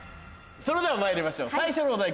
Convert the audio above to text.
それではまいりましょう最初のお題